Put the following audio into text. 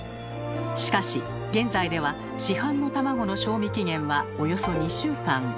しかし現在では市販の卵の賞味期限はおよそ２週間。